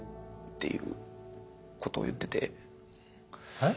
えっ？